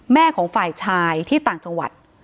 แม่ของฝ่ายชายที่ต่างจังหวัด